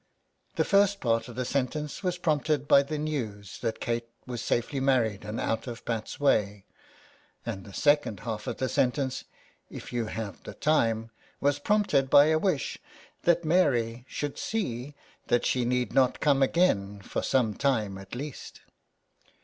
The first part of the sentence was prompted by the news that Kate was safely married and out of Pat's way ; and the second half of the sentence, " if you have the time," was prompted by a wish that Mary should see that she need not come again for some time at least.